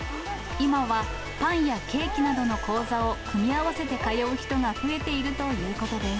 今は、パンやケーキなどの講座を組み合わせて通う人が増えているということです。